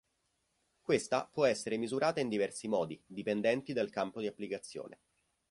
Questa può essere misurata in diversi modi, dipendenti dal campo di applicazione.